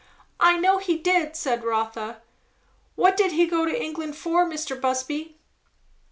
"I know he did," said Rotha. "What did he go to England for, Mr. Busby?"